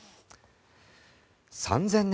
３０００年